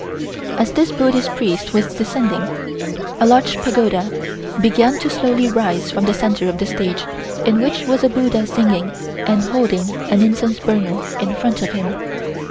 As this Buddhist Priest was descending, a large pagoda began to slowly rise from the center of the stage in which was a buddha singing and holding an incense burner in front of him.